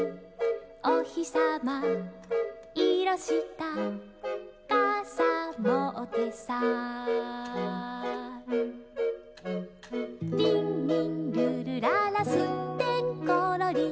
「おひさまいろしたかさもってさ」「りんりんるるららすってんころりん」